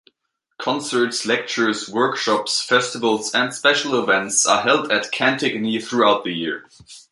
Concerts, lectures, workshops, festivals and special events are held at Cantigny throughout the year.